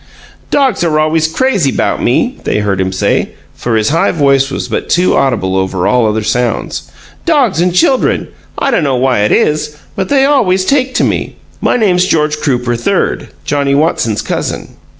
"Dogs are always crazy 'bout me," they heard him say, for his high voice was but too audible over all other sounds. "Dogs and chuldren. I dunno why it is, but they always take to me. My name's George Crooper, Third, Johnnie Watson's cousin.